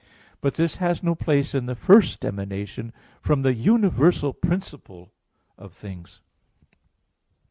But this has no place in the first emanation from the universal principle of things.